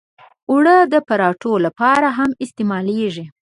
اوړه د پراتو لپاره هم استعمالېږي